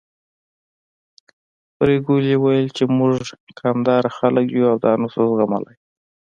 پري ګلې ويل چې موږ قامداره خلک يو او دا نه شو زغملی